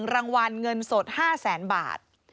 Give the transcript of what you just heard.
๑รางวัลเงินสด๕๐๐๐๐๐บาท